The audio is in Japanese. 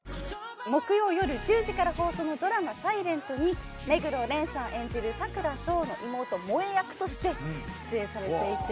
木曜夜１０時から放送のドラマ『ｓｉｌｅｎｔ』に目黒蓮さん演じる佐倉想の妹萌役として出演されていて。